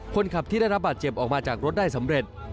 คนขับที่ได้รับบาดเจ็บออกมาจากรถได้สำเร็จ